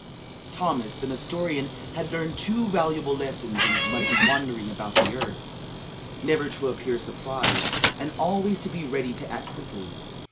Thomas the Nestorian had learned two valuable lessons in his much wandering about the earth, never to appear surprised, and always to be ready to act quickly.